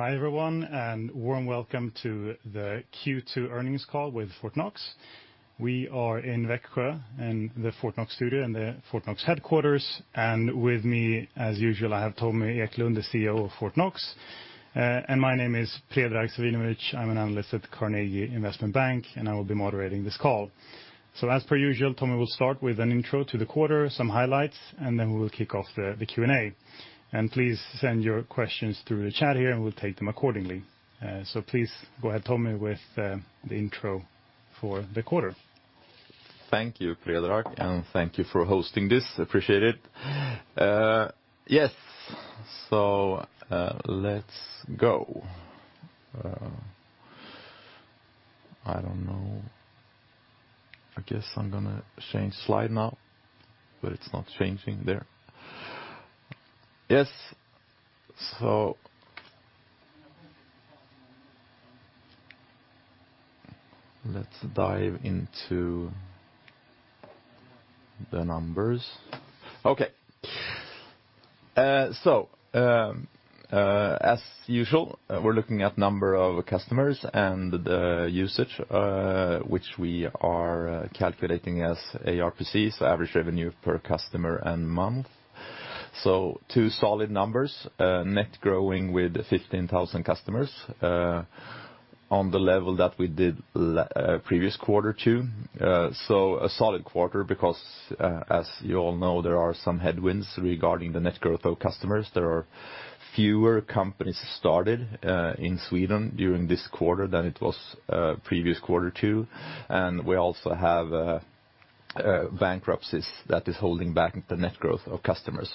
Hi, everyone, and warm welcome to the Q2 earnings call with Fortnox. We are in Växjö, in the Fortnox studio, in the Fortnox headquarters, and with me, as usual, I have Tommy Eklund, the CEO of Fortnox. My name is Predrag Savinovic, I'm an analyst at the Carnegie Investment Bank, I will be moderating this call. As per usual, Tommy will start with an intro to the quarter, some highlights, then we will kick off the Q&A. Please send your questions through the chat here, we'll take them accordingly. Please go ahead, Tommy, with the intro for the quarter. Thank you, Predrag, and thank you for hosting this. Appreciate it. Yes, let's go. I don't know. I guess I'm gonna change slide now, but it's not changing there. Yes. Let's dive into the numbers. Okay. As usual, we're looking at number of customers and the usage, which we are calculating as ARPCs, average revenue per customer and month. Two solid numbers, net growing with 15,000 customers on the level that we did previous quarter, too. A solid quarter because, as you all know, there are some headwinds regarding the net growth of customers. There are fewer companies started in Sweden during this quarter than it was previous quarter, too. We also have bankruptcies that is holding back the net growth of customers.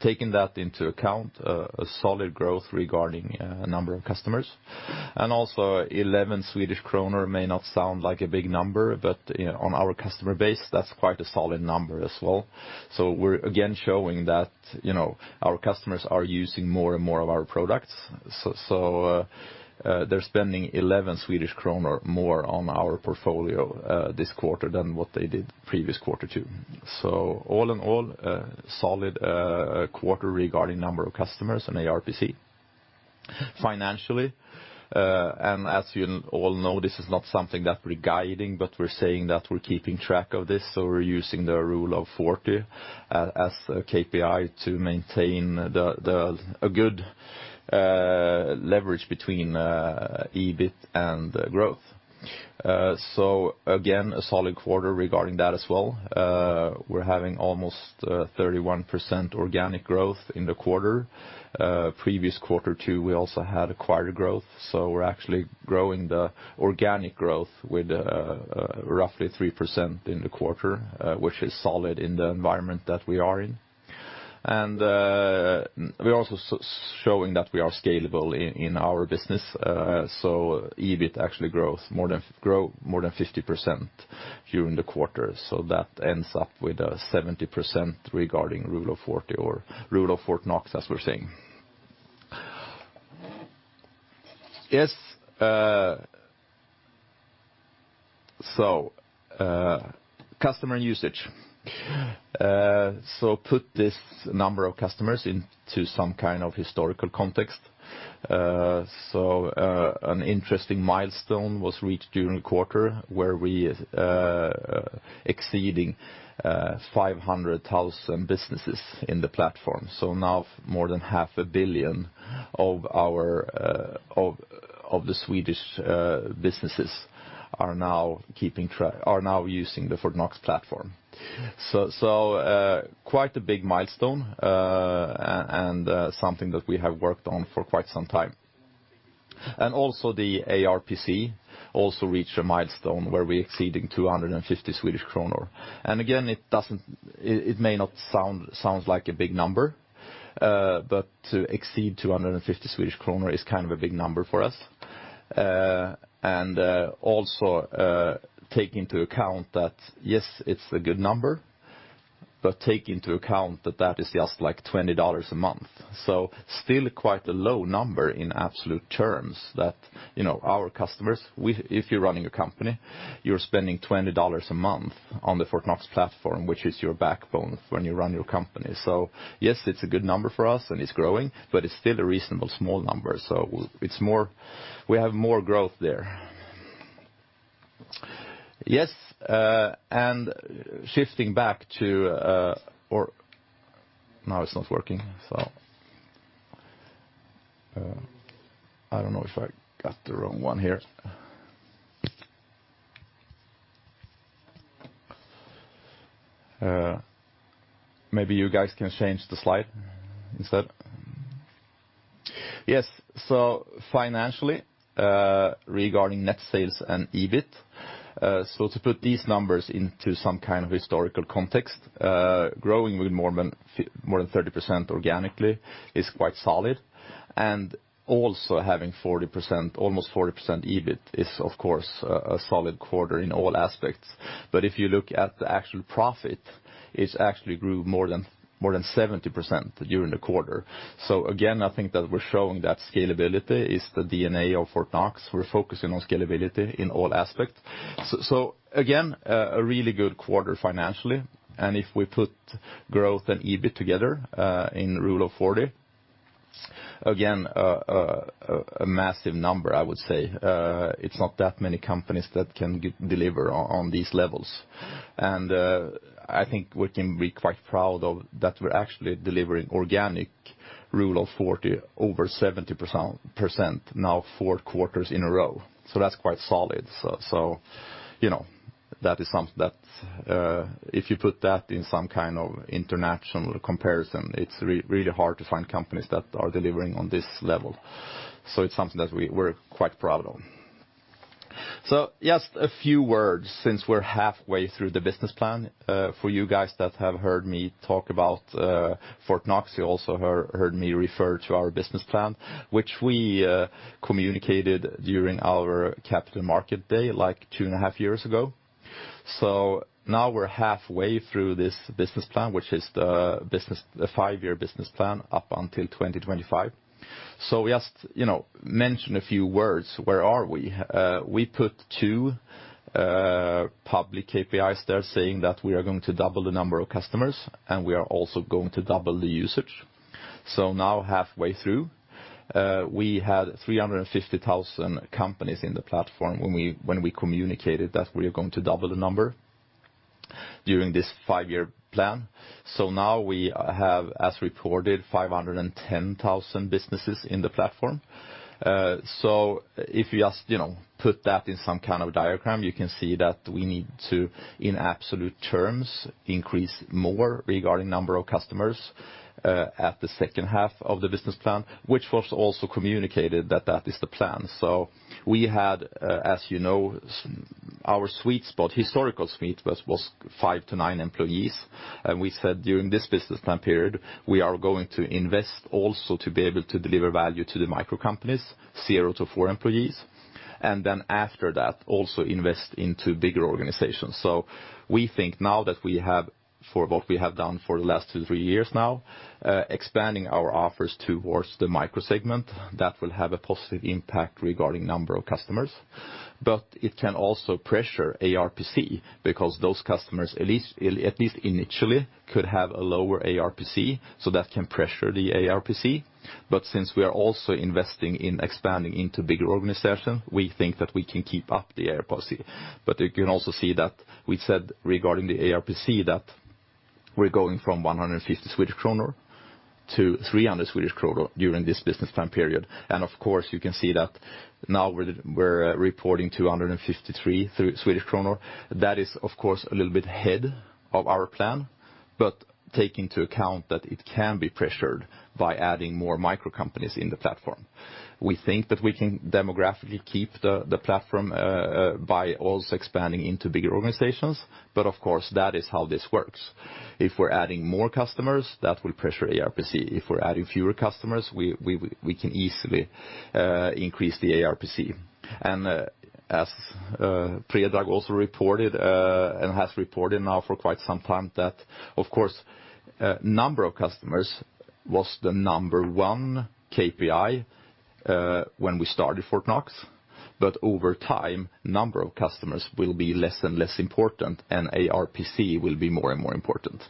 Taking that into account, a solid growth regarding number of customers. 11 Swedish kronor may not sound like a big number, but, you know, on our customer base, that's quite a solid number as well. We're again showing that, you know, our customers are using more and more of our products. They're spending 11 Swedish kronor more on our portfolio this quarter than what they did previous quarter, too. All in all, a solid quarter regarding number of customers and ARPC. Financially, as you all know, this is not something that we're guiding, but we're saying that we're keeping track of this, we're using the Rule of 40 as a KPI to maintain a good leverage between EBIT and growth. Again, a solid quarter regarding that as well. We're having almost 31% organic growth in the quarter. Previous quarter, too, we also had acquired growth, we're actually growing the organic growth with roughly 3% in the quarter, which is solid in the environment that we are in. We're also showing that we are scalable in our business, EBIT actually grows more than 50% during the quarter. That ends up with a 70% regarding Rule of 40, or Rule of Fortnox, as we're saying. Yes, customer usage. Put this number of customers into some kind of historical context. An interesting milestone was reached during the quarter, where we exceeding 500,000 businesses in the platform. Now, more than half a billion of our, of the Swedish, businesses are now using the Fortnox platform. Quite a big milestone, and something that we have worked on for quite some time. Also, the ARPC also reached a milestone where we exceeding 250 Swedish kronor. Again, it doesn't... it may not sound like a big number, but to exceed 250 Swedish kronor is kind of a big number for us. Also, take into account that, yes, it's a good number, but take into account that that is just like $20 a month. Still quite a low number in absolute terms that, you know, our customers, if you're running a company, you're spending $20 a month on the Fortnox platform, which is your backbone when you run your company. Yes, it's a good number for us, and it's growing, but it's still a reasonable small number, so it's more. We have more growth there. Shifting back to, or. Now it's not working, so I don't know if I got the wrong one here. Maybe you guys can change the slide instead. Financially, regarding net sales and EBIT, to put these numbers into some kind of historical context, growing with more than 30% organically is quite solid. Also having 40%, almost 40% EBIT is, of course, a solid quarter in all aspects. But if you look at the actual profit, it's actually grew more than 70% during the quarter. Again, I think that we're showing that scalability is the DNA of Fortnox. We're focusing on scalability in all aspects. Again, a really good quarter financially, and if we put growth and EBIT together in Rule of 40-... again, a massive number, I would say. It's not that many companies that can get, deliver on these levels. I think we can be quite proud of that we're actually delivering organic Rule of 40 over 70% now four quarters in a row. That's quite solid. you know, that is something that, if you put that in some kind of international comparison, it's really hard to find companies that are delivering on this level. It's something that we're quite proud on. Just a few words, since we're halfway through the business plan. For you guys that have heard me talk about Fortnox, you also heard me refer to our business plan, which we communicated during our capital market day, like two and a half years ago. Now we're halfway through this business plan, which is the 5-year business plan up until 2025. We just, you know, mention a few words, where are we? We put two public KPIs there, saying that we are going to double the number of customers, and we are also going to double the usage. Now, halfway through, we had 350,000 companies in the platform when we communicated that we are going to double the number during this 5-year plan. Now we have, as reported, 510,000 businesses in the platform. If you just, you know, put that in some kind of diagram, you can see that we need to, in absolute terms, increase more regarding number of customers at the second half of the business plan, which was also communicated that that is the plan. We had, as you know, our sweet spot, historical sweet spot was five to nine employees. We said during this business plan period, we are going to invest also to be able to deliver value to the micro companies, zero to four employees. After that, also invest into bigger organizations. We think now that we have for what we have done for the last two, three years now, expanding our offers towards the micro segment, that will have a positive impact regarding number of customers. It can also pressure ARPC, because those customers, at least initially, could have a lower ARPC, so that can pressure the ARPC. Since we are also investing in expanding into bigger organization, we think that we can keep up the ARPC. You can also see that we said regarding the ARPC, that we're going from 150 Swedish kronor to 300 Swedish kronor during this business time period. Of course, you can see that now we're reporting 253 Swedish kronor. That is, of course, a little bit ahead of our plan, but take into account that it can be pressured by adding more micro companies in the platform. We think that we can demographically keep the platform by also expanding into bigger organizations. Of course, that is how this works. If we're adding more customers, that will pressure ARPC. If we're adding fewer customers, we can easily increase the ARPC. As Predrag also reported, and has reported now for quite some time, that of course, number of customers was the number one KPI when we started Fortnox, but over time, number of customers will be less and less important, and ARPC will be more and more important.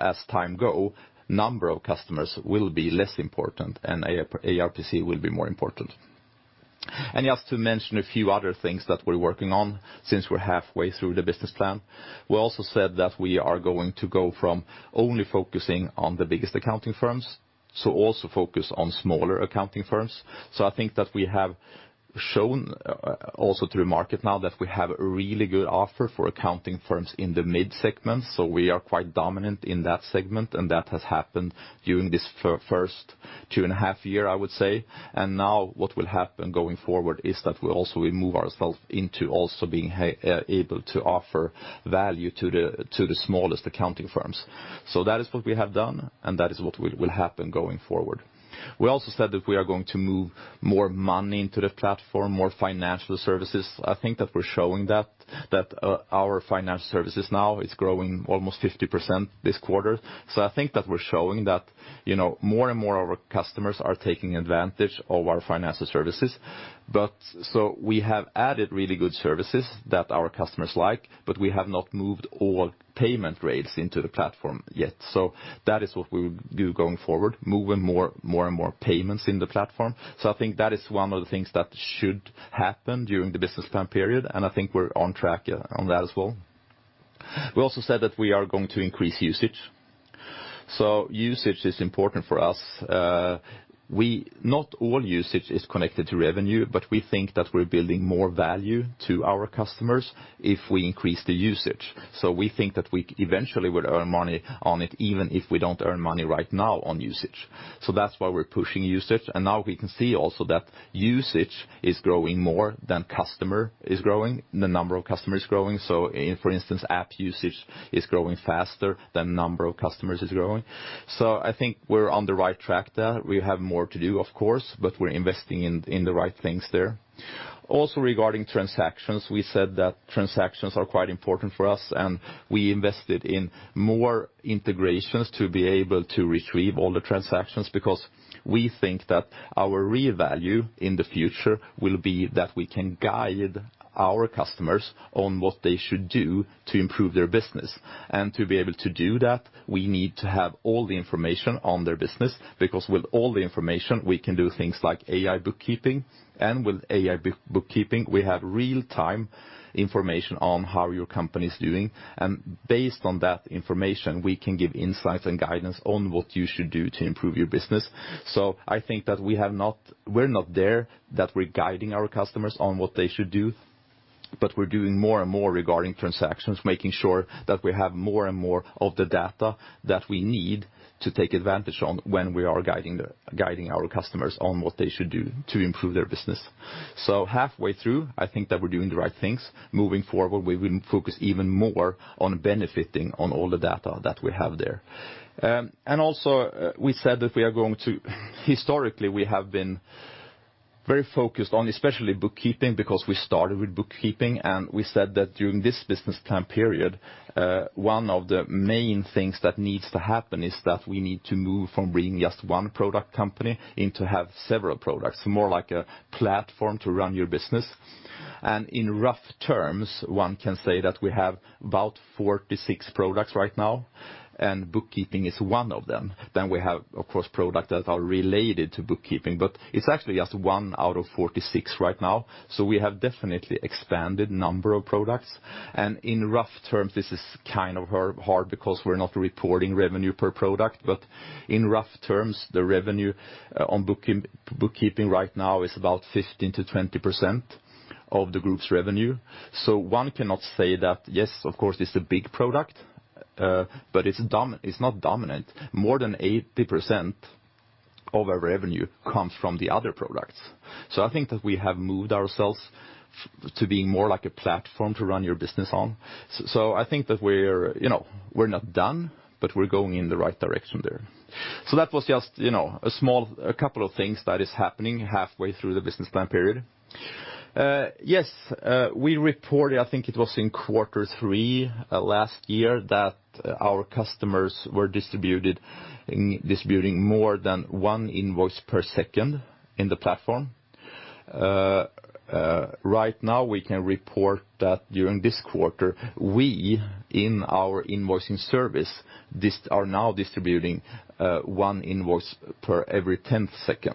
As time go, number of customers will be less important and ARPC will be more important. Just to mention a few other things that we're working on, since we're halfway through the business plan, we also said that we are going to go from only focusing on the biggest accounting firms, also focus on smaller accounting firms. I think that we have shown also to the market now that we have a really good offer for accounting firms in the mid-segment. We are quite dominant in that segment. That has happened during this first two and a half year, I would say. Now what will happen going forward is that we also will move ourselves into also being able to offer value to the smallest accounting firms. That is what we have done, and that is what will happen going forward. We also said that we are going to move more money into the platform, more financial services. I think that we're showing that our financial services now is growing almost 50% this quarter. I think that we're showing that, you know, more and more of our customers are taking advantage of our financial services. We have added really good services that our customers like. We have not moved all payment rails into the platform yet. That is what we will do going forward, moving more and more payments in the platform. I think that is one of the things that should happen during the business plan period, and I think we're on track on that as well. We also said that we are going to increase usage. Usage is important for us. Not all usage is connected to revenue, but we think that we're building more value to our customers if we increase the usage. We think that we eventually will earn money on it, even if we don't earn money right now on usage. That's why we're pushing usage, and now we can see also that usage is growing more than customer is growing, the number of customers growing. For instance, app usage is growing faster than number of customers is growing. I think we're on the right track there. We have more to do, of course, but we're investing in the right things there. Regarding transactions, we said that transactions are quite important for us, and we invested in more integrations to be able to retrieve all the transactions, because we think that our real value in the future will be that we can guide our customers on what they should do to improve their business. To be able to do that. we need to have all the information on their business, because with all the information, we can do things like AI bookkeeping, and with AI bookkeeping, we have real-time information on how your company is doing, and based on that information, we can give insights and guidance on what you should do to improve your business. I think that we have we're not there, that we're guiding our customers on what they should do, but we're doing more and more regarding transactions, making sure that we have more and more of the data that we need to take advantage on when we are guiding our customers on what they should do to improve their business. Halfway through, I think that we're doing the right things. Moving forward, we will focus even more on benefiting on all the data that we have there. We said that historically, we have been very focused on especially bookkeeping, because we started with bookkeeping, and we said that during this business plan period, one of the main things that needs to happen is that we need to move from being just one product company into have several products, more like a platform to run your business. In rough terms, one can say that we have about 46 products right now, and bookkeeping is one of them. We have, of course, products that are related to bookkeeping, but it's actually just 1 out of 46 right now. We have definitely expanded number of products, and in rough terms, this is kind of hard because we're not reporting revenue per product. In rough terms, the revenue on bookkeeping right now is about 15%-20% of the group's revenue. One cannot say that, yes, of course, it's a big product, but it's not dominant. More than 80% of our revenue comes from the other products. I think that we have moved ourselves to being more like a platform to run your business on. I think that we're, you know, we're not done, but we're going in the right direction there. That was just, you know, a small. A couple of things that is happening halfway through the business plan period. Yes, we reported, I think it was in quarter three last year, that our customers were distributing more than one invoice per second in the platform. Right now, we can report that during this quarter, we, in our invoicing service, are now distributing, one invoice per every 10th second.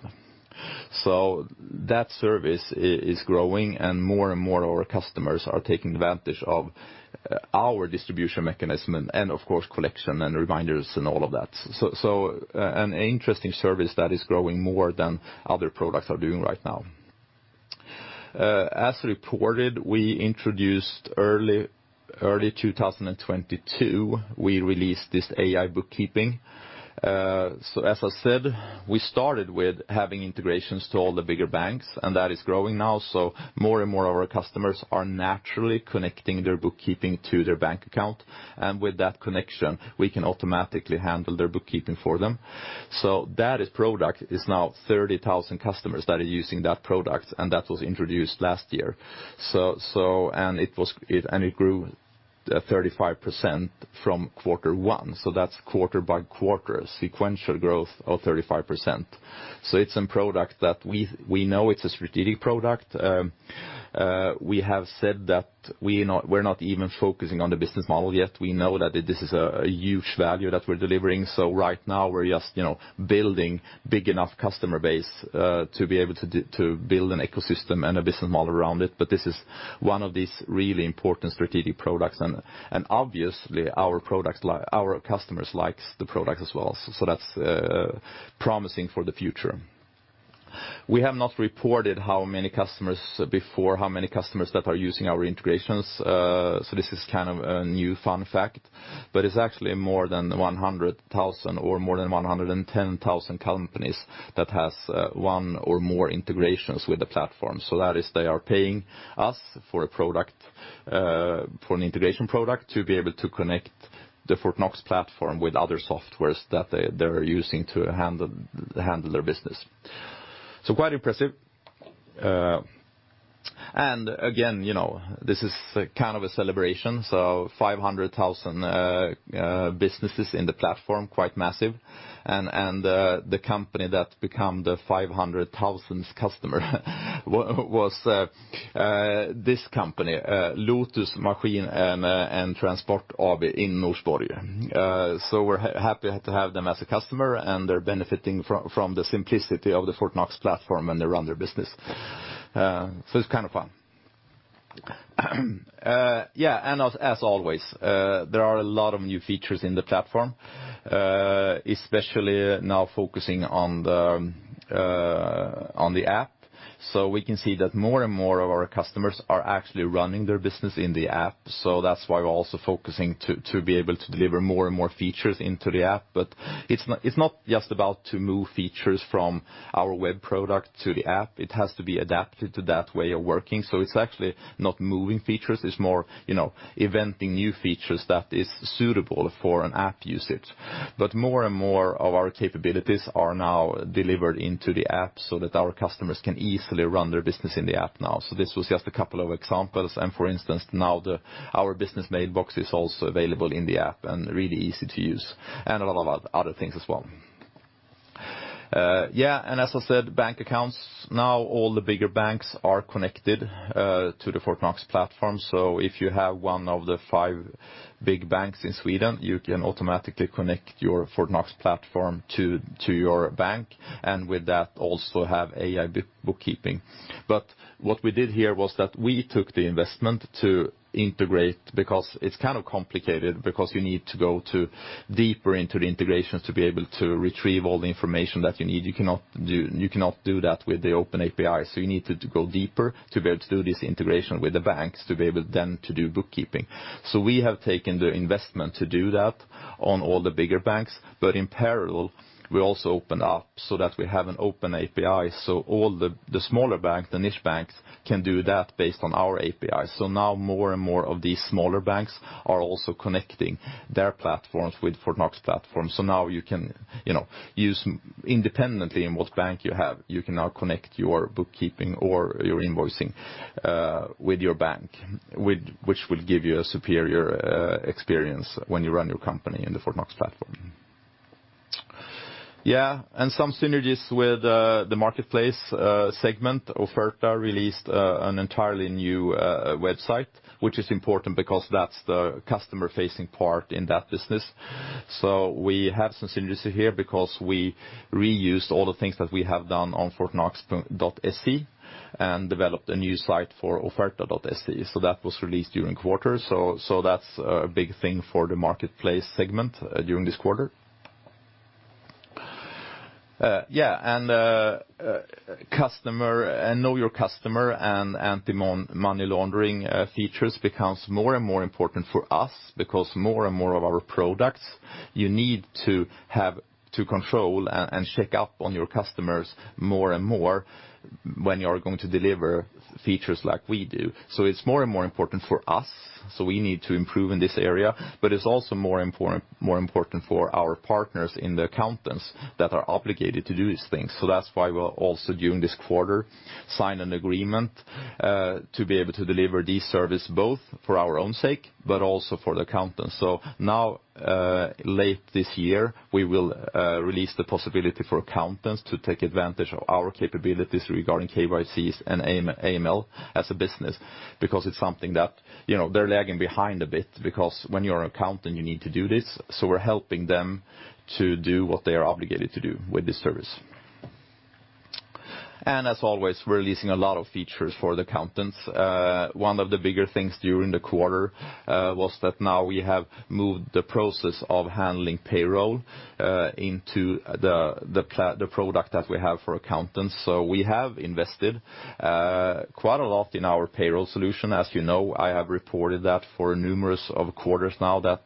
That service is growing, and more and more of our customers are taking advantage of our distribution mechanism and of course, collection and reminders and all of that. An interesting service that is growing more than other products are doing right now. As reported, we introduced early 2022, we released this AI bookkeeping. As I said, we started with having integrations to all the bigger banks, and that is growing now. More and more of our customers are naturally connecting their bookkeeping to their bank account, and with that connection, we can automatically handle their bookkeeping for them. That is product, is now 30,000 customers that are using that product, and that was introduced last year. And it was, and it grew 35% from Q1, that's quarter-by-quarter, sequential growth of 35%. It's a product that we know it's a strategic product. We have said that we're not even focusing on the business model yet. We know that this is a huge value that we're delivering, right now we're just, you know, building big enough customer base to be able to build an ecosystem and a business model around it. This is one of these really important strategic products, and obviously, our customers likes the product as well. That's promising for the future. We have not reported how many customers before, how many customers that are using our integrations, this is kind of a new fun fact, but it's actually more than 100,000 or more than 110,000 companies that has one or more integrations with the platform. That is, they are paying us for a product, for an integration product, to be able to connect the Fortnox platform with other softwares that they're using to handle their business. Quite impressive. Again, you know, this is kind of a celebration, so 500,000 businesses in the platform, quite massive, and the company that become the 500,000th customer was this company, Lotus Maskin & Transport AB in Norsborg. We're happy to have them as a customer, and they're benefiting from the simplicity of the Fortnox platform, and they run their business. It's kind of fun. As always, there are a lot of new features in the platform, especially now focusing on the app. We can see that more and more of our customers are actually running their business in the app, so that's why we're also focusing to be able to deliver more and more features into the app. It's not just about to move features from our web product to the app. It has to be adapted to that way of working. It's actually not moving features, it's more, you know, inventing new features that is suitable for an app usage. More and more of our capabilities are now delivered into the app, so that our customers can easily run their business in the app now. This was just a couple of examples, and for instance, now the, our business mailbox is also available in the app and really easy to use, and a lot of other things as well. As I said, bank accounts, now all the bigger banks are connected to the Fortnox platform. If you have one of the five big banks in Sweden, you can automatically connect your Fortnox platform to your bank, and with that, also have AI bookkeeping. What we did here was that we took the investment to integrate, because it's kind of complicated, because you need to go deeper into the integrations to be able to retrieve all the information that you need. You cannot do that with the open API, so you need to go deeper to be able to do this integration with the banks, to be able then to do bookkeeping. We have taken the investment to do that on all the bigger banks, but in parallel, we also opened up so that we have an open API, so all the smaller banks, the niche banks, can do that based on our API. Now more and more of these smaller banks are also connecting their platforms with Fortnox platform. Now you can, you know, use independently in what bank you have, you can now connect your bookkeeping or your invoicing with your bank, which will give you a superior experience when you run your company in the Fortnox platform. Some synergies with the marketplace segment. Offerta released an entirely new website, which is important because that's the customer-facing part in that business. We have some synergies here because we reused all the things that we have done on Fortnox.se, and developed a new site for Offerta.se. That was released during quarter, so that's a big thing for the marketplace segment during this quarter. customer... Know Your Customer and Anti-Money Laundering features becomes more and more important for us, because more and more of our products, you need to have to control and check up on your customers more and more when you are going to deliver features like we do. It's more and more important for us, so we need to improve in this area, but it's also more important for our partners and the accountants that are obligated to do these things. That's why we're also, during this quarter, sign an agreement to be able to deliver this service, both for our own sake, but also for the accountants. Now, late this year, we will release the possibility for accountants to take advantage of our capabilities regarding KYC and AML as a business, because it's something that, you know, they're lagging behind a bit, because when you're an accountant, you need to do this. We're helping them to do what they are obligated to do with this service. As always, we're releasing a lot of features for the accountants. One of the bigger things during the quarter was that now we have moved the process of handling payroll into the product that we have for accountants. We have invested quite a lot in our payroll solution. As you know, I have reported that for numerous of quarters now, that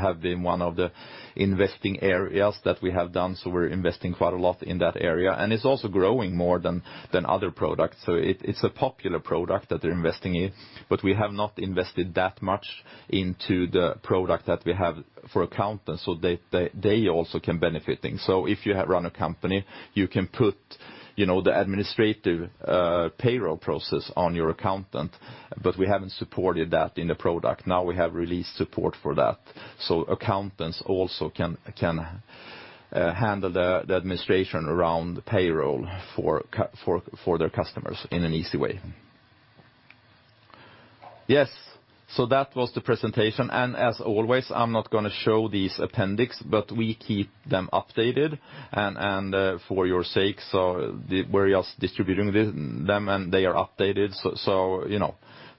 have been one of the investing areas that we have done. We're investing quite a lot in that area. It's also growing more than other products. It's a popular product that they're investing in, but we have not invested that much into the product that we have for accountants, they also can benefiting. If you run a company, you can put, you know, the administrative payroll process on your accountant, but we haven't supported that in the product. Now we have released support for that, accountants also can handle the administration around the payroll for their customers in an easy way. Yes, that was the presentation. As always, I'm not going to show these appendix. We keep them updated for your sake. We're just distributing this, them, and they are updated. You know,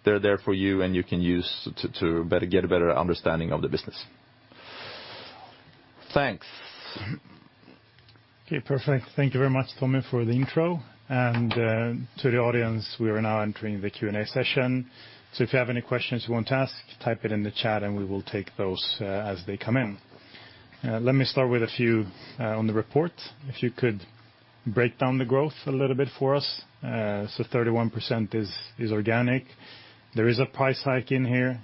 they're there for you, and you can use to get a better understanding of the business. Thanks. Okay, perfect. Thank you very much, Tommy, for the intro, and to the audience, we are now entering the Q&A session. If you have any questions you want to ask, type it in the chat, and we will take those as they come in. Let me start with a few on the report. If you could break down the growth a little bit for us. 31% is organic. There is a price hike in here.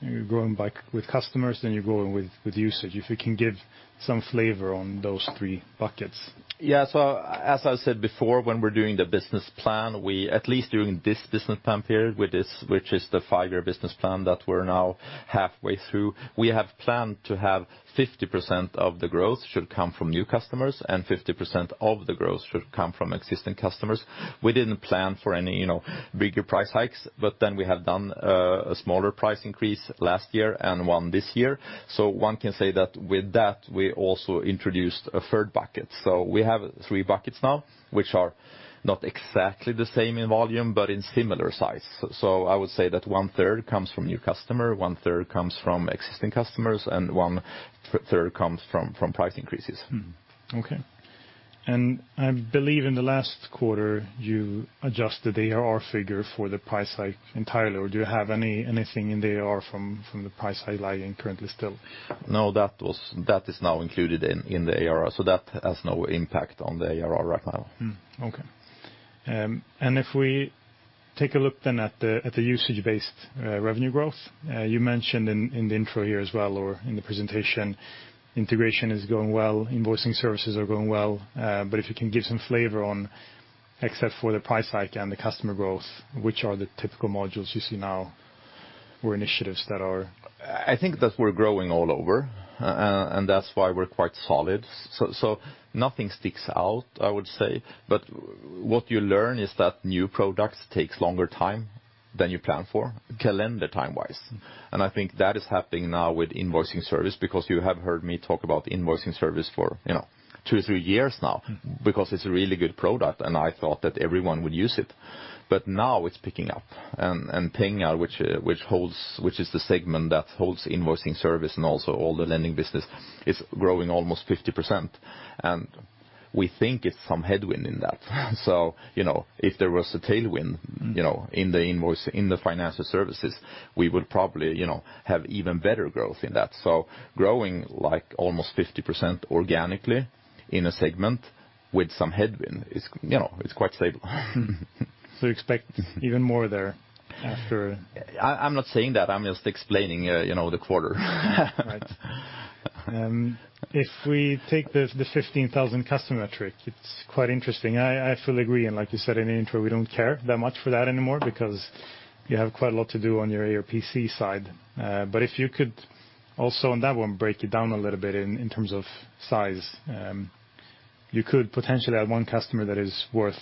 You're growing back with customers, you're growing with usage. If you can give some flavor on those three buckets. As I said before, when we're doing the business plan, we at least during this business plan period, with this, which is the five-year business plan that we're now halfway through, we have planned to have 50% of the growth should come from new customers, and 50% of the growth should come from existing customers. We didn't plan for any, you know, bigger price hikes, but then we have done a smaller price increase last year and one this year. One can say that with that, we also introduced a third bucket. We have three buckets now, which are not exactly the same in volume, but in similar size. I would say that one third comes from new customer, one third comes from existing customers, and one third comes from price increases. Okay. I believe in the last quarter, you adjusted the ARR figure for the price hike entirely, or do you have anything in the ARR from the price hike lying currently still? That is now included in the ARR. That has no impact on the ARR right now. Okay. If we take a look then at the usage-based revenue growth, you mentioned in the intro here as well, or in the presentation, integration is going well, invoicing services are going well, but if you can give some flavor on, except for the price hike and the customer growth, which are the typical modules you see now? Initiatives that are? I think that we're growing all over, and that's why we're quite solid. Nothing sticks out, I would say. What you learn is that new products takes longer time than you plan for, calendar time-wise, and I think that is happening now with invoicing service, because you have heard me talk about invoicing service for, you know, two, three years now, because it's a really good product, and I thought that everyone would use it. Now it's picking up, and Pengar, which is the segment that holds invoicing service and also all the lending business, is growing almost 50%. We think it's some headwind in that. You know, if there was a tailwind, you know, in the invoice, in the financial services, we would probably, you know, have even better growth in that. Growing, like, almost 50% organically in a segment with some headwind is, you know, is quite stable. You expect even more there after? I'm not saying that, I'm just explaining, you know, the quarter. If we take the 15,000 customer metric, it's quite interesting. I fully agree, and like you said in the intro, we don't care that much for that anymore because you have quite a lot to do on your ARPC side. If you could also, on that one, break it down a little bit in terms of size. You could potentially add one customer that is worth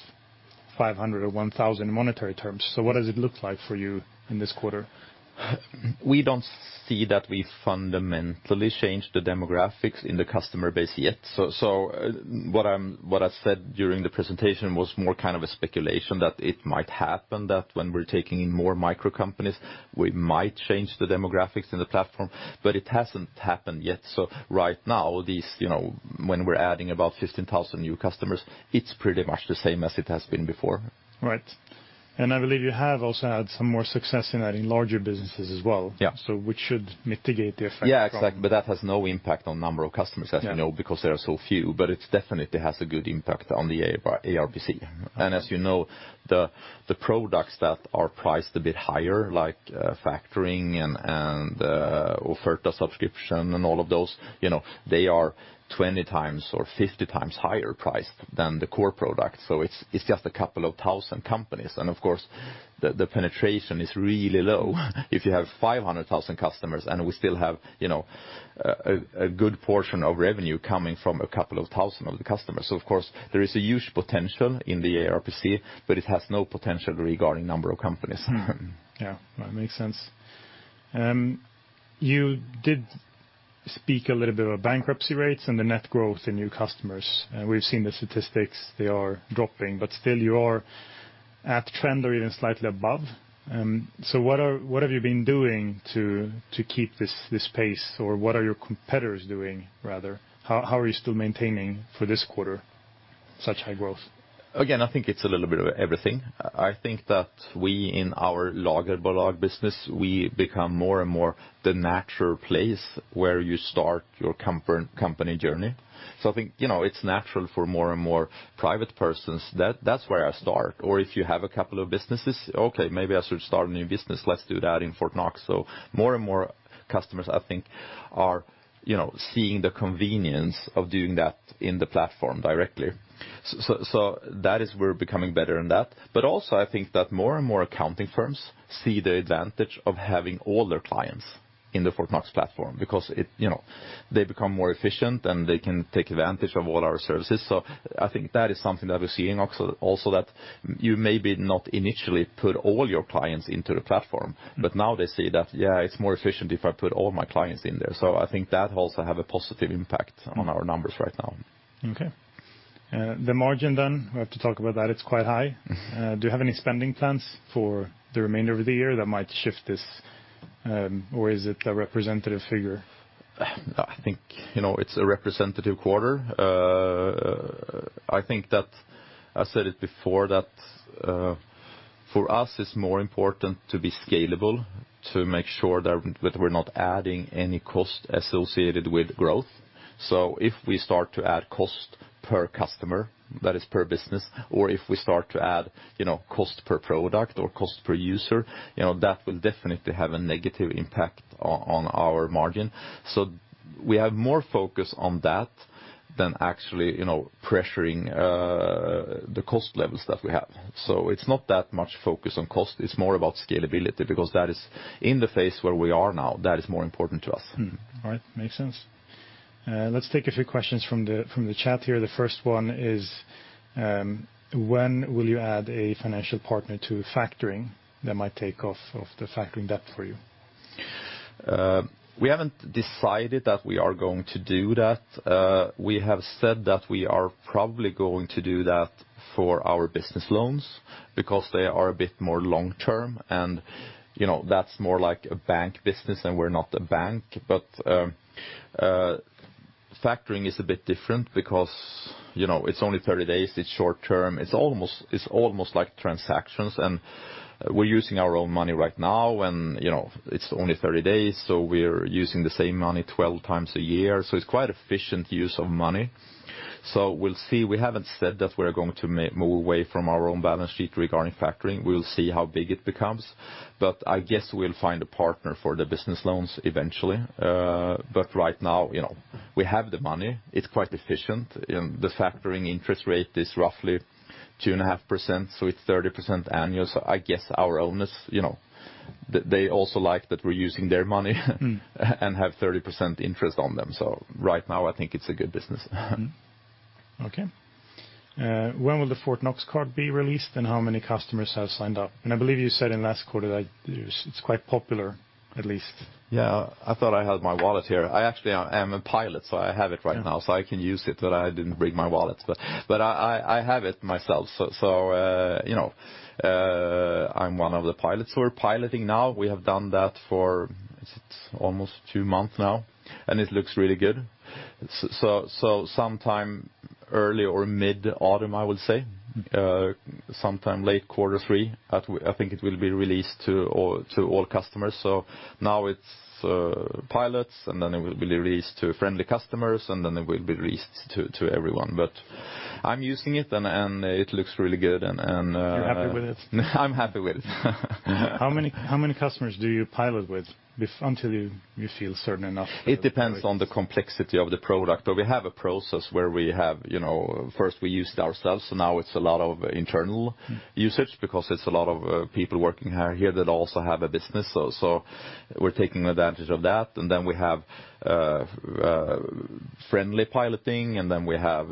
500 or 1,000 in monetary terms. What does it look like for you in this quarter? We don't see that we fundamentally changed the demographics in the customer base yet. What I said during the presentation was more kind of a speculation, that it might happen, that when we're taking in more micro companies, we might change the demographics in the platform, but it hasn't happened yet. Right now, these, you know, when we're adding about 15,000 new customers, it's pretty much the same as it has been before. Right. I believe you have also had some more success in adding larger businesses as well. Yeah Which should mitigate the effect of. Yeah, exactly, that has no impact on number of customers. Yeah As you know, because there are so few, but it definitely has a good impact on the ARPC. As you know, the products that are priced a bit higher, like factoring and Offerta subscription and all of those, you know, they are 20 times or 50 times higher priced than the core product. It's just a couple of thousand companies. Of course, the penetration is really low. If you have 500,000 customers, and we still have, you know, a good portion of revenue coming from a couple of thousand of the customers. Of course, there is a huge potential in the ARPC, but it has no potential regarding number of companies. Yeah, that makes sense. You did speak a little bit about bankruptcy rates and the net growth in new customers. We've seen the statistics, they are dropping, but still you are at trend or even slightly above. What have you been doing to keep this pace, or what are your competitors doing, rather? How are you still maintaining, for this quarter, such high growth? Again, I think it's a little bit of everything. I think that we, in our larger addressable market business, we become more and more the natural place where you start your company journey. I think, you know, it's natural for more and more private persons, "That, that's where I start." Or if you have a couple of businesses, "Okay, maybe I should start a new business. Let's do that in Fortnox." More and more customers, I think, are, you know, seeing the convenience of doing that in the platform directly. That is where we're becoming better in that. Also, I think that more and more accounting firms see the advantage of having all their clients in the Fortnox platform because You know, they become more efficient, and they can take advantage of all our services. I think that is something that we're seeing also, that you maybe not initially put all your clients into the platform, but now they see that, yeah, it's more efficient if I put all my clients in there. I think that also have a positive impact on our numbers right now. Okay. The margin then, we have to talk about that, it's quite high. Mm-hmm. Do you have any spending plans for the remainder of the year that might shift this, or is it a representative figure? I think, you know, it's a representative quarter. I think that I said it before, that for us, it's more important to be scalable, to make sure that we're not adding any cost associated with growth. If we start to add cost per customer, that is per business, or if we start to add, you know, cost per product or cost per user, you know, that will definitely have a negative impact on our margin. We have more focus on that than actually, you know, pressuring the cost levels that we have. It's not that much focus on cost, it's more about scalability, because that is in the phase where we are now, that is more important to us. Mm-hmm. All right. Makes sense. Let's take a few questions from the, from the chat here. The first one is: When will you add a financial partner to factoring that might take off of the factoring debt for you? We haven't decided that we are going to do that. We have said that we are probably going to do that for our business loans because they are a bit more long term, and, you know, that's more like a bank business, and we're not a bank. Factoring is a bit different because, you know, it's only 30 days, it's short term. It's almost like transactions, and we're using our own money right now, and, you know, it's only 30 days, so we're using the same money 12 times a year. It's quite efficient use of money. We'll see. We haven't said that we're going to move away from our own balance sheet regarding factoring. We'll see how big it becomes, but I guess we'll find a partner for the business loans eventually. Right now, you know, we have the money. It's quite efficient. The factoring interest rate is roughly 2.5%, so it's 30% annual. I guess our own is, you know, they also like that we're using their money and have 30% interest on them. Right now, I think it's a good business. Okay. When will the Fortnox Corporate Card be released, how many customers have signed up? I believe you said in last quarter that it's quite popular, at least. Yeah. I thought I had my wallet here. I actually am a pilot, so I have it right now, so I can use it, but I didn't bring my wallet. I have it myself. You know, I'm one of the pilots who are piloting now. We have done that for almost two months now, and it looks really good. Sometime early or mid-autumn, I would say, sometime late quarter three, I think it will be released to all customers. Now it's pilots, and then it will be released to friendly customers, and then it will be released to everyone. I'm using it, and it looks really good. You're happy with it? I'm happy with it. How many customers do you pilot with until you feel certain enough? It depends on the complexity of the product, but we have a process where we have, you know, first we use it ourselves. Now it's a lot of internal usage because it's a lot of people working here that also have a business. We're taking advantage of that. Then we have friendly piloting. Then we have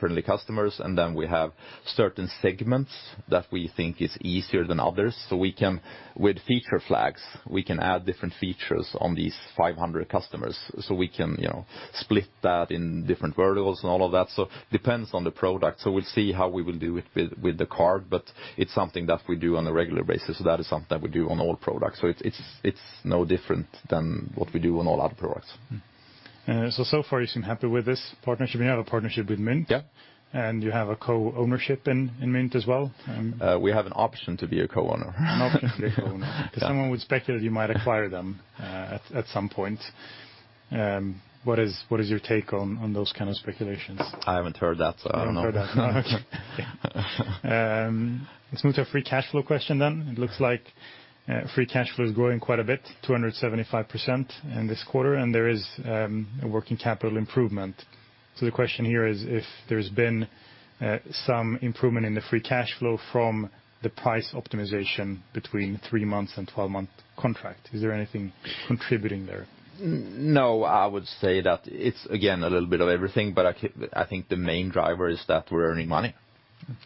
friendly customers. Then we have certain segments that we think is easier than others. With feature flags, we can add different features on these 500 customers, so we can, you know, split that in different verticals and all of that. Depends on the product, we'll see how we will do it with the card, but it's something that we do on a regular basis. That is something that we do on all products, so it's no different than what we do on all other products. So far you've been happy with this partnership. You have a partnership with Mynt. Yeah. You have a co-ownership in Mynt as well. We have an option to be a co-owner. An option to be a co-owner. Yeah. Someone would speculate you might acquire them, at some point. What is your take on those kind of speculations? I haven't heard that, so I don't know. You haven't heard that. Okay. let's move to a free cash flow question then. It looks like, free cash flow is growing quite a bit, 275% in this quarter, and there is, a working capital improvement. The question here is, if there's been, some improvement in the free cash flow from the price optimization between three months and twelve-month contract, is there anything contributing there? I would say that it's, again, a little bit of everything, but I think the main driver is that we're earning money.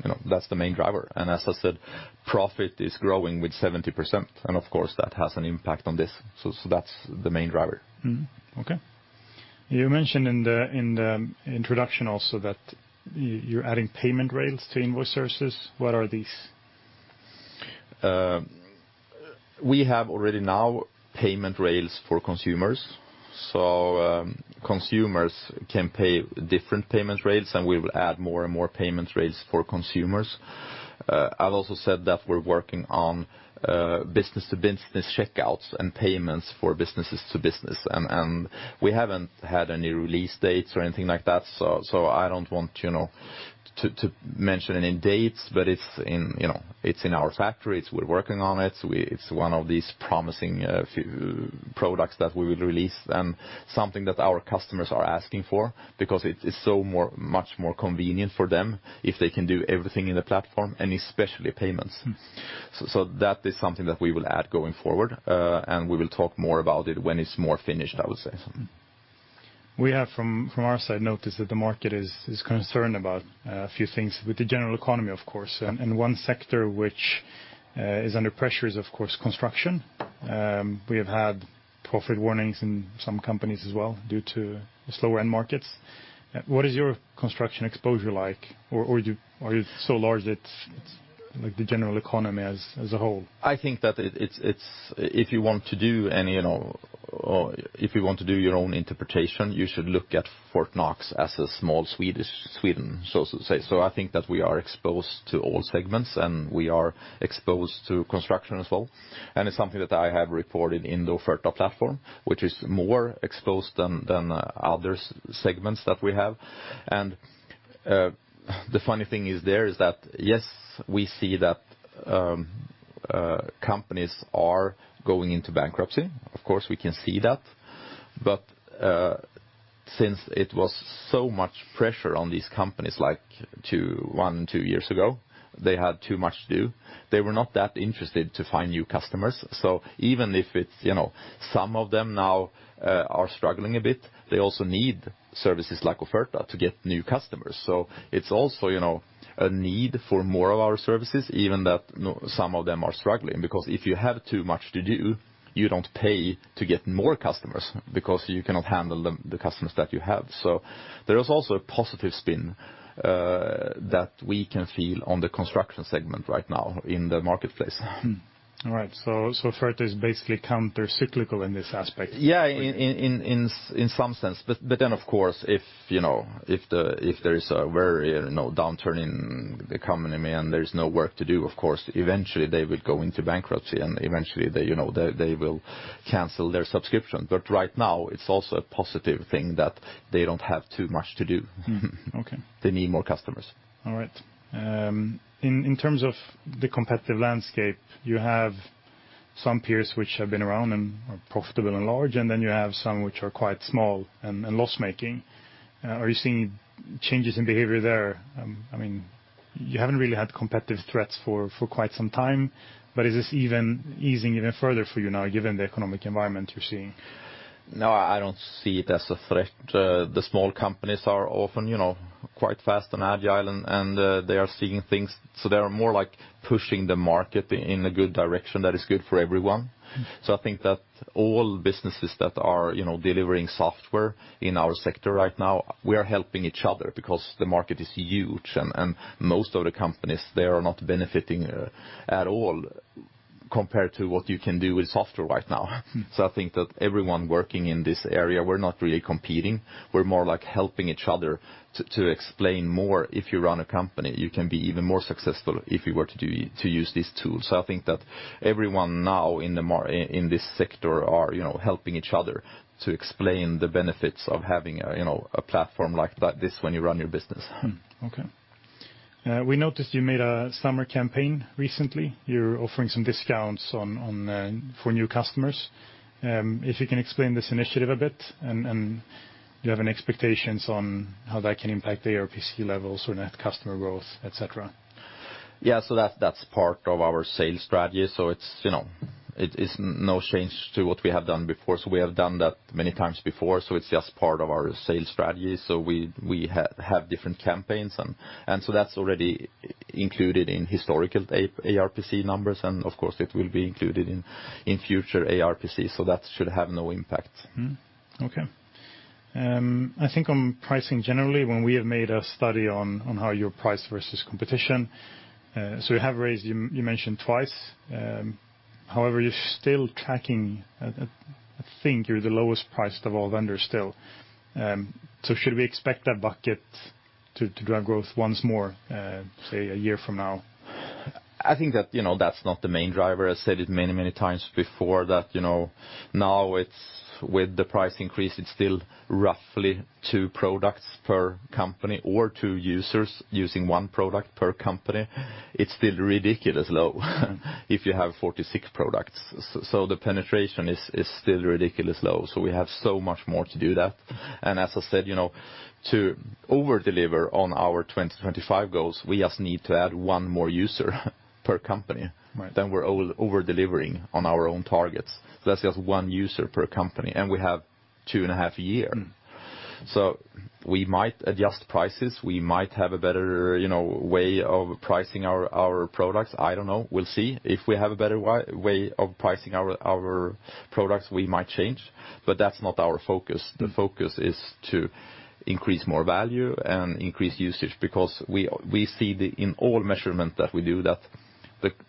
You know, that's the main driver. As I said, profit is growing with 70%, and of course, that has an impact on this. That's the main driver. Mm-hmm. Okay. You mentioned in the, in the introduction also that you're adding payment rails to invoice services. What are these? We have already now payment rails for consumers. Consumers can pay different payment rails, and we will add more and more payment rails for consumers. I've also said that we're working on business-to-business checkouts and payments for businesses to business. We haven't had any release dates or anything like that, so I don't want, you know, to mention any dates, but it's in, you know, it's in our factory. We're working on it. It's one of these promising few products that we will release and something that our customers are asking for because it's so much more convenient for them if they can do everything in the platform, and especially payments. Mm. That is something that we will add going forward, and we will talk more about it when it's more finished, I would say. We have, from our side, noticed that the market is concerned about a few things with the general economy, of course. One sector which is under pressure is, of course, construction. We have had profit warnings in some companies as well due to the slower end markets. What is your construction exposure like? Or are you so large, it's like the general economy as a whole? I think that it's... If you want to do any, you know, or if you want to do your own interpretation, you should look at Fortnox as a small Swedish, Sweden, so to say. I think that we are exposed to all segments, and we are exposed to construction as well. It's something that I have reported in the Offerta platform, which is more exposed than other segments that we have. The funny thing is there is that, yes, we see that companies are going into bankruptcy. Of course, we can see that. Since it was so much pressure on these companies, like two, one, two years ago, they had too much to do. They were not that interested to find new customers. Even if it's, you know, some of them now are struggling a bit, they also need services like Offerta to get new customers. It's also, you know, a need for more of our services, even that some of them are struggling. Because if you have too much to do, you don't pay to get more customers because you cannot handle the customers that you have. There is also a positive spin that we can feel on the construction segment right now in the marketplace. All right. Offerta is basically countercyclical in this aspect? Yeah, in some sense. Then, of course, if, you know, if there is a very, you know, downturn in the economy, and there is no work to do, of course, eventually they will go into bankruptcy, and eventually they, you know, they will cancel their subscription. Right now, it's also a positive thing that they don't have too much to do. Mm-hmm. Okay. They need more customers. All right. In terms of the competitive landscape, you have some peers which have been around and are profitable and large, and then you have some which are quite small and loss-making. Are you seeing changes in behavior there? I mean you haven't really had competitive threats for quite some time. Is this even easing even further for you now, given the economic environment you're seeing? No, I don't see it as a threat. The small companies are often, you know, quite fast and agile, and they are seeing things. They are more like pushing the market in a good direction that is good for everyone. Mm-hmm. I think that all businesses that are, you know, delivering software in our sector right now, we are helping each other because the market is huge, and most of the companies, they are not benefiting at all compared to what you can do with software right now. Mm. I think that everyone working in this area, we're not really competing. We're more like helping each other to explain more. If you run a company, you can be even more successful if you were to use these tools. I think that everyone now in this sector are, you know, helping each other to explain the benefits of having a, you know, a platform like that, this, when you run your business. Okay. We noticed you made a summer campaign recently. You're offering some discounts on for new customers. If you can explain this initiative a bit, and do you have any expectations on how that can impact the ARPC levels or net customer growth, et cetera? That's part of our sales strategy. It's, you know, it is no change to what we have done before. We have done that many times before, so it's just part of our sales strategy. We have different campaigns, and so that's already included in historical ARPC numbers, and of course, it will be included in future ARPC, so that should have no impact. Mm-hmm. Okay. I think on pricing generally, when we have made a study on how your price versus competition, you have raised, you mentioned twice. However, you're still tracking, I think you're the lowest priced of all vendors still. Should we expect that bucket to drive growth once more, say, a year from now? I think that, you know, that's not the main driver. I said it many, many times before, that, you know, now it's with the price increase, it's still roughly two products per company or two users using one product per company. It's still ridiculously low, if you have 46 products. The penetration is still ridiculously low. We have so much more to do that. As I said, you know, to over-deliver on our 2025 goals, we just need to add one more user per company. Right. We're over-delivering on our own targets. That's just one user per company, and we have two and a half year. Mm. We might adjust prices. We might have a better, you know, way of pricing our products. I don't know. We'll see. If we have a better way of pricing our products, we might change, but that's not our focus. Mm. The focus is to increase more value and increase usage because we see the, in all measurement that we do, that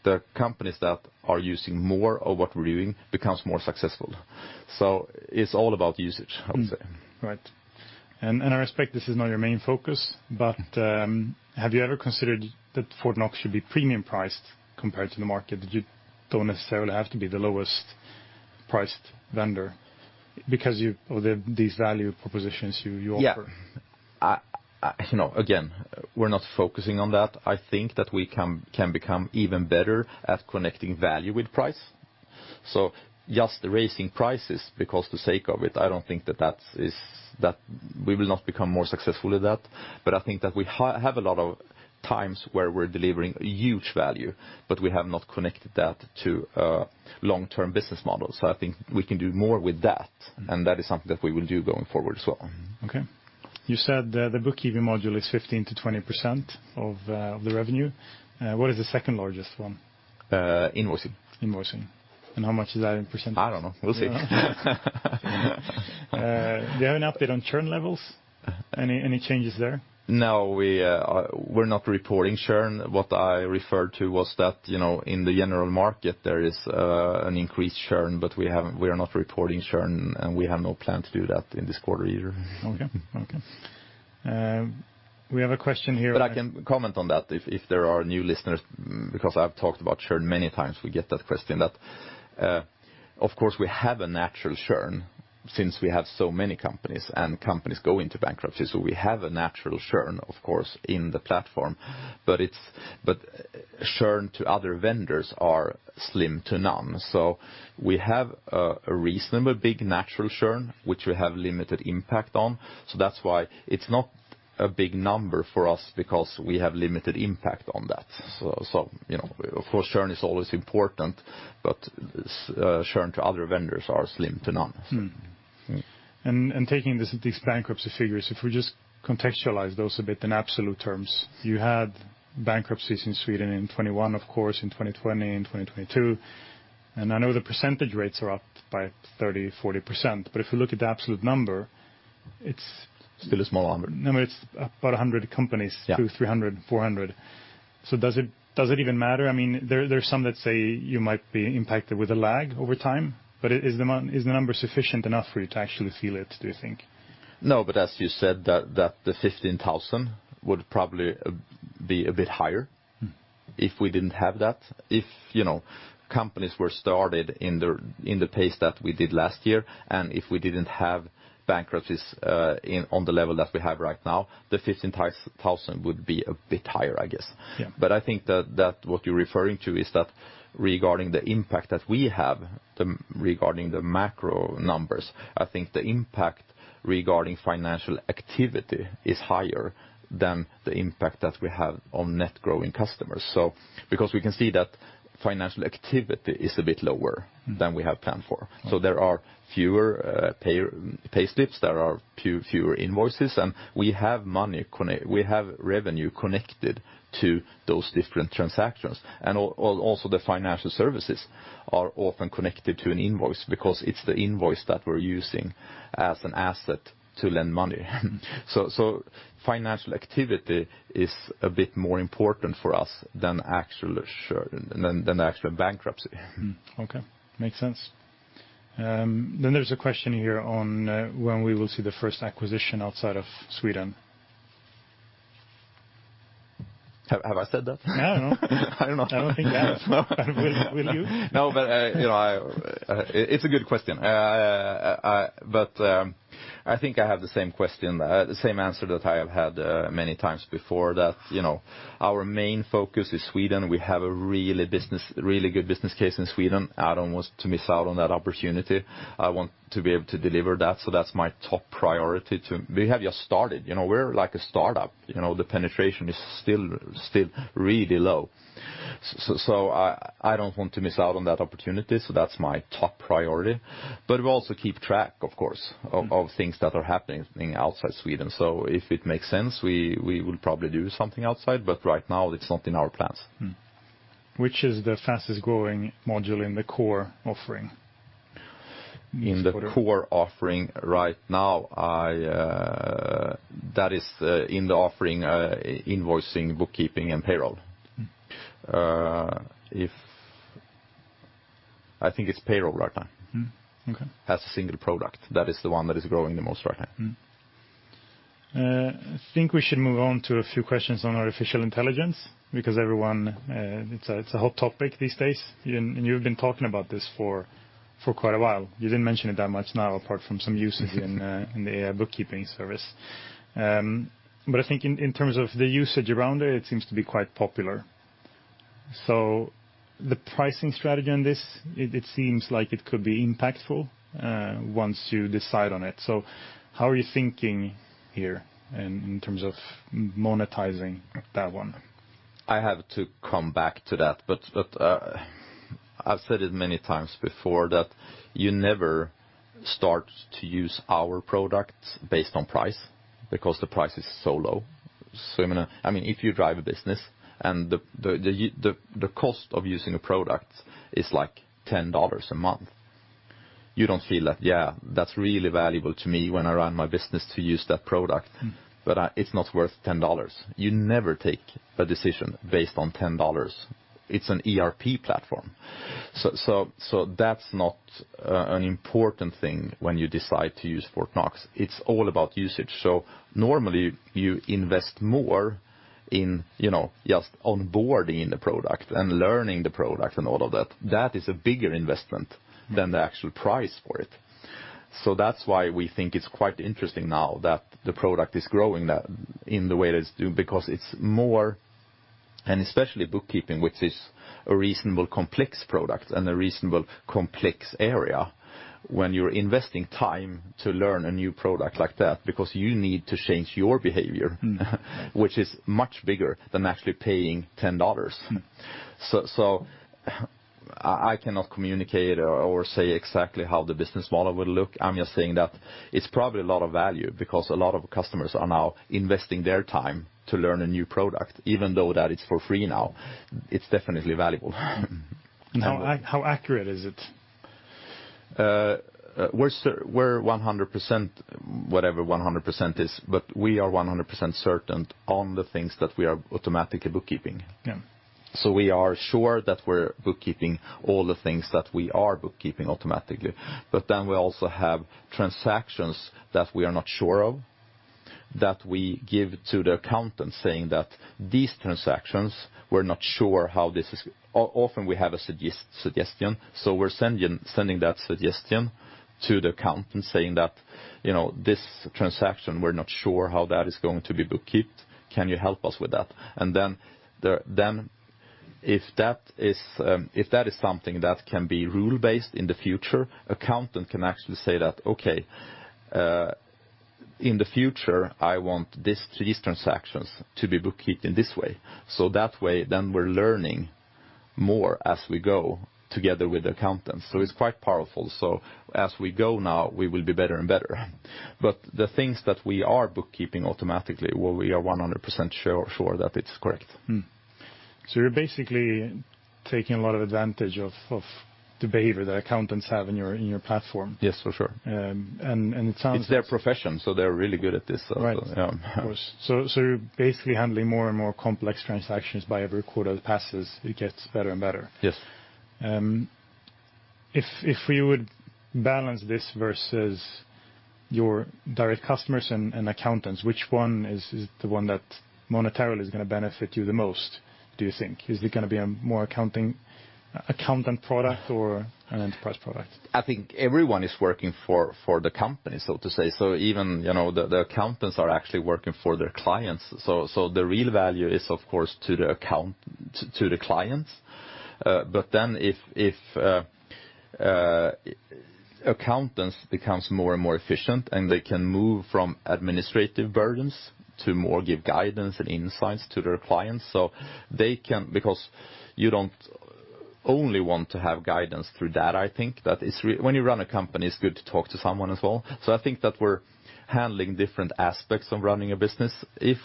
the companies that are using more of what we're doing becomes more successful. It's all about usage, I would say. Right. And I respect this is not your main focus, but, have you ever considered that Fortnox should be premium priced compared to the market? You don't necessarily have to be the lowest-priced vendor because of the, these value propositions you offer. Yeah. I, you know, again, we're not focusing on that. I think that we can become even better at connecting value with price. Just raising prices because the sake of it, I don't think that that is that we will not become more successful with that. I think that we have a lot of times where we're delivering huge value, but we have not connected that to a long-term business model. I think we can do more with that, and that is something that we will do going forward as well. Mm-hmm. Okay. You said that the bookkeeping module is 15%-20%- Mm of the revenue. What is the second largest one? Invoicing. Invoicing. How much is that in %? I don't know. We'll see. Do you have an update on churn levels? Any changes there? No, we're not reporting churn. What I referred to was that, you know, in the general market, there is, an increased churn, but we are not reporting churn, and we have no plan to do that in this quarter either. Okay. Okay. We have a question here. I can comment on that if there are new listeners, because I've talked about churn many times. We get that question, that, of course, we have a natural churn since we have so many companies, and companies go into bankruptcy. We have a natural churn, of course, in the platform, but churn to other vendors are slim to none. We have a reasonable, big, natural churn, which we have limited impact on. That's why it's not a big number for us because we have limited impact on that. You know, of course, churn is always important, but churn to other vendors are slim to none. Mm-hmm. Mm. Taking these bankruptcy figures, if we just contextualize those a bit in absolute terms. Mm. You had bankruptcies in Sweden in 2021, of course, in 2020, in 2022. I know the percentage rates are up by 30%, 40%. If you look at the absolute number, it's- Still a small number. No, it's about 100 companies. Yeah 2, 300, 400. Does it even matter? I mean, there are some that say you might be impacted with a lag over time, but is the number sufficient enough for you to actually feel it, do you think? As you said, the, that the 15,000 SEK would probably be a bit higher. Mm-hmm. If we didn't have that, if, you know, companies were started in the pace that we did last year, and if we didn't have bankruptcies, on the level that we have right now, the 15,000 would be a bit higher, I guess. Yeah. I think that what you're referring to is that regarding the impact that we have, regarding the macro numbers, I think the impact regarding financial activity is higher than the impact that we have on net growing customers. Because we can see that financial activity is a bit lower. Mm. than we had planned for. There are fewer payslips, there are fewer invoices, we have revenue connected to those different transactions. Also, the financial services are often connected to an invoice because it's the invoice that we're using as an asset to lend money. Financial activity is a bit more important for us than actual, sure, than actual bankruptcy. Okay, makes sense. There's a question here on when we will see the first acquisition outside of Sweden? Have I said that? I don't know. I don't know. I don't think you have. Will you? I, you know, it's a good question. I think I have the same answer that I have had many times before, that, you know, our main focus is Sweden. We have a really good business case in Sweden. I don't want to miss out on that opportunity. I want to be able to deliver that, so that's my top priority. We have just started, you know, we're like a start-up, you know, the penetration is still really low. So I don't want to miss out on that opportunity, so that's my top priority. We also keep track, of course. Mm Of things that are happening outside Sweden. If it makes sense, we will probably do something outside, but right now it's not in our plans. Which is the fastest-growing module in the core offering? In the core offering right now, that is, in the offering, invoicing, bookkeeping, and payroll. Mm. I think it's payroll right now. Okay. As a single product, that is the one that is growing the most right now. I think we should move on to a few questions on artificial intelligence, because everyone, it's a, it's a hot topic these days, and you've been talking about this for quite a while. You didn't mention it that much now, apart from some uses in the, bookkeeping service. I think in terms of the usage around it seems to be quite popular. The pricing strategy on this, it seems like it could be impactful, once you decide on it. How are you thinking here in terms of monetizing that one? I have to come back to that, but I've said it many times before, that you never start to use our products based on price, because the price is so low. I mean, if you drive a business and the cost of using a product is, like, $10 a month, you don't feel like, "Yeah, that's really valuable to me when I run my business to use that product. Mm. it's not worth $10." You never take a decision based on $10. It's an ERP platform. That's not an important thing when you decide to use Fortnox. It's all about usage. Normally, you invest more in, you know, just onboarding the product and learning the product and all of that. That is a bigger investment than the actual price for it. That's why we think it's quite interesting now that the product is growing in the way that it's doing, because it's more... Especially bookkeeping, which is a reasonable, complex product and a reasonable, complex area, when you're investing time to learn a new product like that, because you need to change your behavior. Mm-hmm. which is much bigger than actually paying $10. Mm. I cannot communicate or say exactly how the business model would look. I'm just saying that it's probably a lot of value because a lot of customers are now investing their time to learn a new product, even though that it's for free now. It's definitely valuable. How accurate is it? We're 100%, whatever 100% is, but we are 100% certain on the things that we are automatically bookkeeping. Yeah. We are sure that we're bookkeeping all the things that we are bookkeeping automatically. We also have transactions that we are not sure of, that we give to the accountant, saying that, "These transactions, we're not sure how this is..." Often we have a suggestion, so we're sending that suggestion to the accountant, saying that, you know, "This transaction, we're not sure how that is going to be bookkeeped. Can you help us with that?" If that is something that can be rule-based in the future, accountant can actually say that, "Okay, in the future, I want this, these transactions to be bookkeeped in this way." That way, we're learning more as we go together with the accountants, so it's quite powerful. As we go now, we will be better and better. The things that we are bookkeeping automatically, well, we are 100% sure that it's correct. You're basically taking a lot of advantage of the behavior that accountants have in your, in your platform? Yes, for sure. it sounds- It's their profession, so they're really good at this. Right. Yeah. Of course. You're basically handling more and more complex transactions by every quarter that passes, it gets better and better? Yes. If we would balance this versus your direct customers and accountants, which one is the one that monetarily is going to benefit you the most, do you think? Is it going to be a more accounting, accountant product or an enterprise product? I think everyone is working for the company, so to say. Even, you know, the accountants are actually working for their clients. The real value is, of course, to the clients. If accountants becomes more and more efficient, and they can move from administrative burdens to more give guidance and insights to their clients. Because you don't only want to have guidance through data, I think, that is when you run a company, it's good to talk to someone as well. I think that we're handling different aspects of running a business. If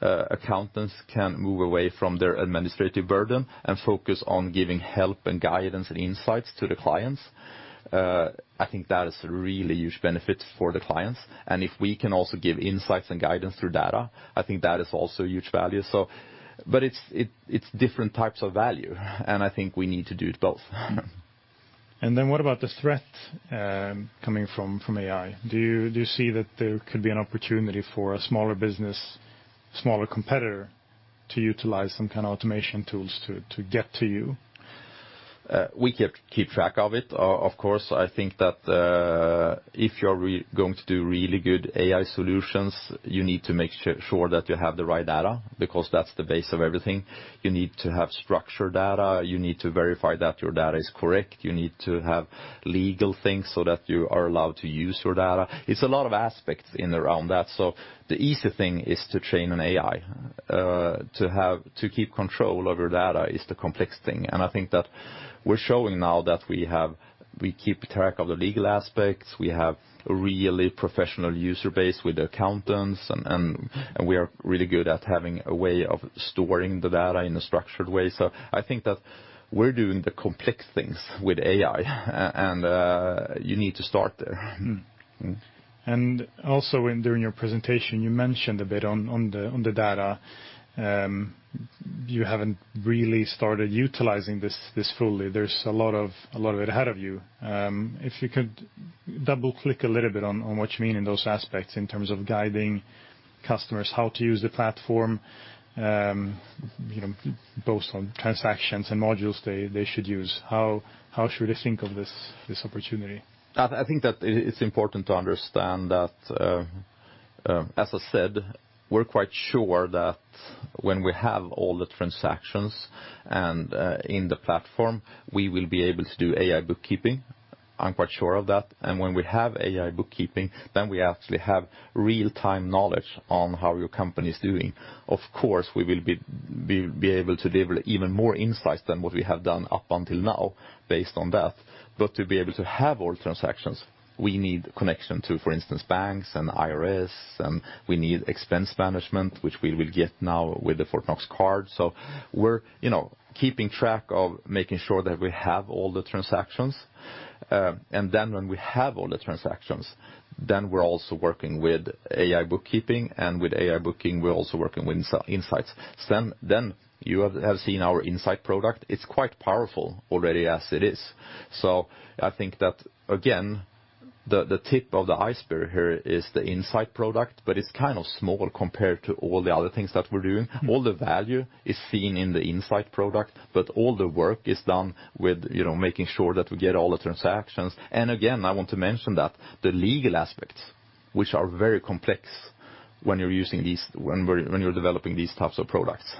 accountants can move away from their administrative burden and focus on giving help and guidance and insights to the clients, I think that is a really huge benefit for the clients. If we can also give insights and guidance through data, I think that is also a huge value. It's different types of value, and I think we need to do it both. What about the threat, coming from AI? Do you see that there could be an opportunity for a smaller business, smaller competitor, to utilize some kind of automation tools to get to you? We keep track of it. Of course, I think that, if you're going to do really good AI solutions, you need to make sure that you have the right data, because that's the base of everything. You need to have structured data, you need to verify that your data is correct, you need to have legal things so that you are allowed to use your data. It's a lot of aspects in around that. The easy thing is to train an AI. To have, to keep control of your data is the complex thing. I think that we're showing now that we have - we keep track of the legal aspects, we have a really professional user base with accountants, and we are really good at having a way of storing the data in a structured way. I think that we're doing the complex things with AI, and you need to start there. Also, during your presentation, you mentioned a bit on the data. You haven't really started utilizing this fully. There's a lot of it ahead of you. If you could double-click a little bit on what you mean in those aspects, in terms of guiding customers, how to use the platform, you know, both on transactions and modules they should use. How should they think of this opportunity? I think that it's important to understand that as I said, we're quite sure that when we have all the transactions in the platform, we will be able to do AI bookkeeping. I'm quite sure of that. When we have AI bookkeeping, then we actually have real-time knowledge on how your company is doing. Of course, we will be able to deliver even more insights than what we have done up until now based on that. To be able to have all transactions, we need connection to, for instance, banks and Skatteverket, and we need expense management, which we will get now with the Fortnox Corporate Card. We're, you know, keeping track of making sure that we have all the transactions, when we have all the transactions, we're also working with AI bookkeeping, and with AI booking, we're also working with insights. You have seen our insight product. It's quite powerful already as it is. I think that, again, the tip of the iceberg here is the insight product, but it's kind of small compared to all the other things that we're doing. All the value is seen in the insight product, but all the work is done with, you know, making sure that we get all the transactions. Again, I want to mention that the legal aspects, which are very complex when you're using these, when you're developing these types of products.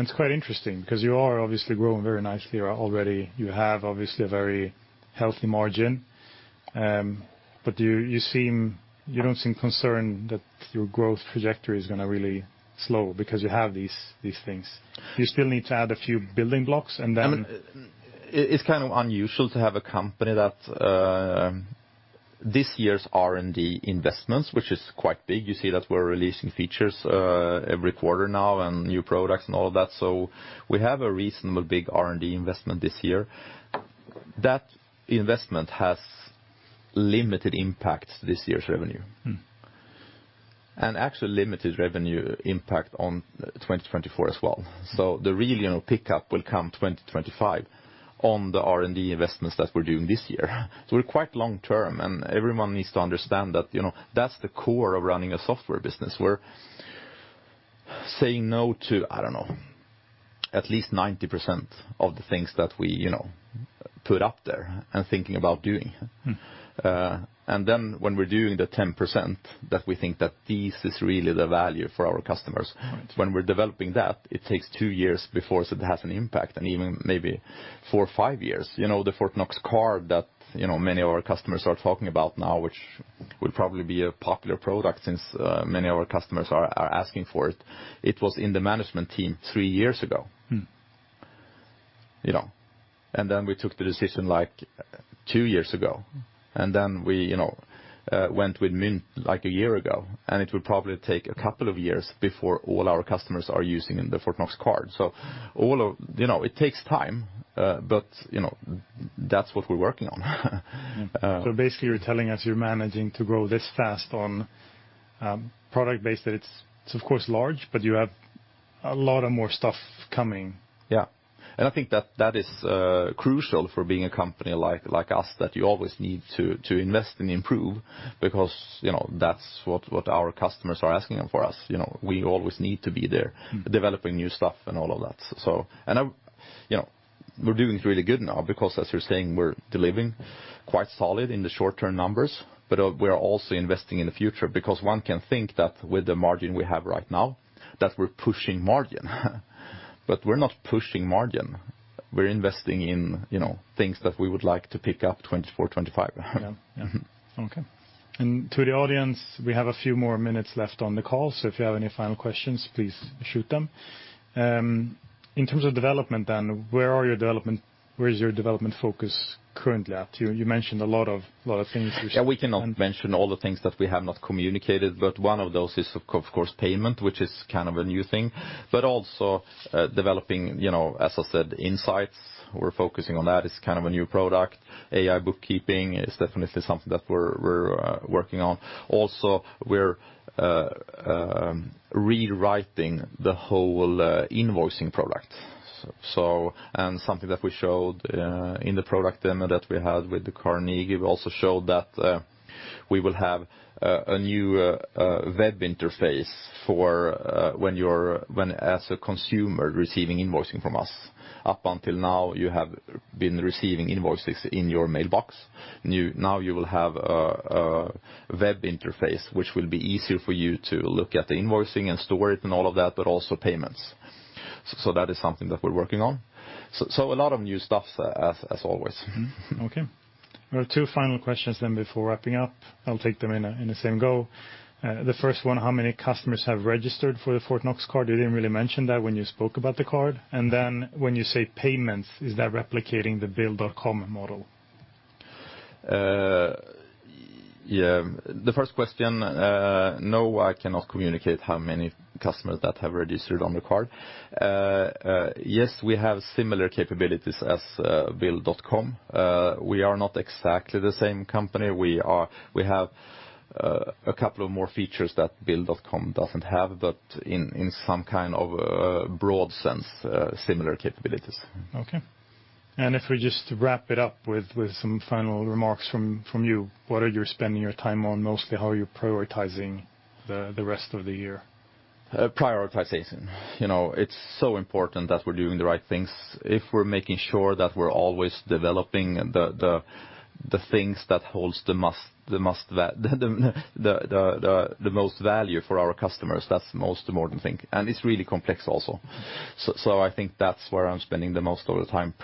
It's quite interesting because you are obviously growing very nicely already. You have obviously a very healthy margin, but you don't seem concerned that your growth trajectory is going to really slow because you have these things. You still need to add a few building blocks, and then. I mean, it's kind of unusual to have a company that this year's R&D investments, which is quite big, you see that we're releasing features every quarter now and new products and all that. We have a reasonable big R&D investment this year. That investment has limited impact this year's revenue. Mm-hmm. Actually, limited revenue impact on 2024 as well. The real, you know, pickup will come 2025 on the R&D investments that we're doing this year. We're quite long term, and everyone needs to understand that, you know, that's the core of running a software business. We're saying no to, I don't know, at least 90% of the things that we, you know, put up there and thinking about doing. Mm-hmm. When we're doing the 10%, that we think that this is really the value for our customers. Right. When we're developing that, it takes two years before it has an impact, and even maybe four or five years. You know, the Fortnox Corporate Card that, you know, many of our customers are talking about now, which will probably be a popular product since many of our customers are asking for it. It was in the management team three years ago. Mm-hmm. You know, and then we took the decision, like, two years ago, and then we, you know, went with Mynt, like, a year ago, and it would probably take a couple of years before all our customers are using the Fortnox Corporate Card. You know, it takes time, but, you know, that's what we're working on. Basically, you're telling us you're managing to grow this fast on, product base, that it's of course, large, but you have a lot of more stuff coming? Yeah. I think that is crucial for being a company like us, that you always need to invest and improve, because, you know, that's what our customers are asking of for us. You know, we always need to be there, developing new stuff and all of that. You know, we're doing really good now, because as you're saying, we're delivering quite solid in the short-term numbers, but we are also investing in the future, because one can think that with the margin we have right now, that we're pushing margin. We're not pushing margin, we're investing in, you know, things that we would like to pick up 2024, 2025. Yeah. Yeah. Okay. To the audience, we have a few more minutes left on the call, so if you have any final questions, please shoot them. In terms of development then, where is your development focus currently at? You mentioned a lot of things which. Yeah, we cannot mention all the things that we have not communicated, but one of those is, of course, payment, which is kind of a new thing, but also, developing, you know, as I said, insights. We're focusing on that. It's kind of a new product. AI bookkeeping is definitely something that we're working on. Also, we're rewriting the whole invoicing product. Something that we showed in the product demo that we had with the Carnegie, we also showed that we will have a new web interface for when as a consumer receiving invoicing from us. Up until now, you have been receiving invoices in your mailbox. Now you will have a web interface, which will be easier for you to look at the invoicing and store it and all of that, but also payments. That is something that we're working on. A lot of new stuff as always. Okay. There are two final questions before wrapping up. I'll take them in the same go. The first one, how many customers have registered for the Fortnox card? You didn't really mention that when you spoke about the card. When you say payments, is that replicating the Bill.com model? Yeah, the first question, no, I cannot communicate how many customers that have registered on the card. Yes, we have similar capabilities as Bill.com. We are not exactly the same company. We have a couple of more features that Bill.com doesn't have, but in some kind of broad sense, similar capabilities. Okay. If we just wrap it up with some final remarks from you, what are you spending your time on mostly? How are you prioritizing the rest of the year? Prioritization. You know, it's so important that we're doing the right things. If we're making sure that we're always developing the things that holds the most value for our customers, that's the most important thing, and it's really complex also. I think that's where I'm spending the most of the time.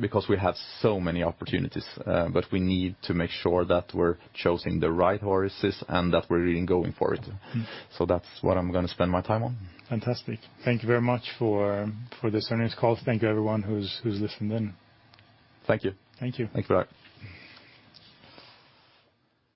Because we have so many opportunities, but we need to make sure that we're choosing the right horses and that we're really going for it. That's what I'm gonna spend my time on. Fantastic. Thank you very much for this earnings call. Thank you, everyone, who's listened in. Thank you. Thank you. Thanks for that.